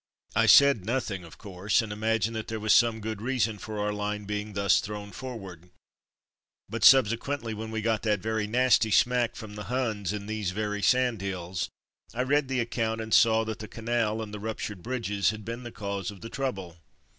I said nothing, of course, and imagined that there was some good reason for our line being thus thrown forward, but subse quently when we got that very nasty smack from the Huns in these very sand hills, I read the account and saw that the canal and the ruptured bridges had been the cause of the trouble.